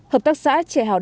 hợp tác xã trẻ hào đông